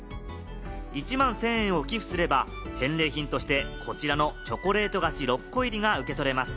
１万１０００円を寄付すれば、返礼品として、こちらのチョコレート菓子６個入りが受け取れます。